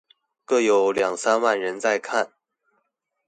各有兩三萬人在看